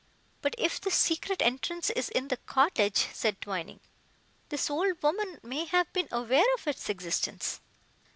"But if the secret entrance is in the cottage," said Twining, "this old woman may have been aware of its existence."